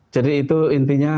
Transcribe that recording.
jadi itu intinya